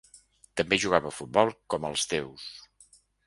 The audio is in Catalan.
També jugava a futbol com els déus.